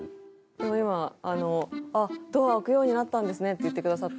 でも今「あっドア開くようになったんですね」って言ってくださって。